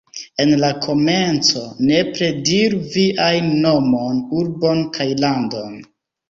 En la komenco, nepre diru viajn nomon, urbon kaj landon.